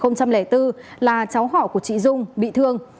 năm hai nghìn bốn là cháu họ của chị dung bị thương